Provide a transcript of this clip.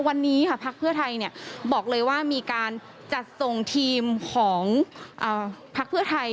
วันนี้ค่ะพักเพื่อไทยบอกเลยว่ามีการจัดส่งทีมของพักเพื่อไทย